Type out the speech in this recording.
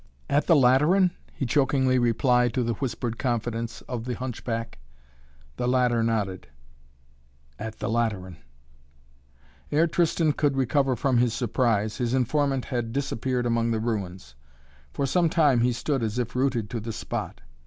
"At the Lateran?" he chokingly replied to the whispered confidence of the hunchback. The latter nodded. "At the Lateran." Ere Tristan could recover from his surprise, his informant had disappeared among the ruins. For some time he stood as if rooted to the spot.